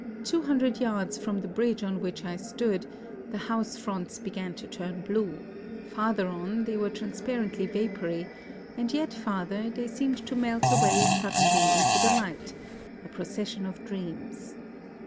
Two hundred yards from the bridge on which I stood, the house fronts began to turn blue ; farther on, they were transparently vapory ; and yet farther, they seemed to melt away suddenly into the light, — a procession of dreams.